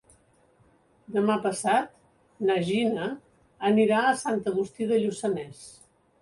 Demà passat na Gina anirà a Sant Agustí de Lluçanès.